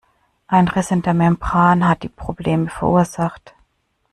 Ein Riss in der Membran hat die Probleme verursacht.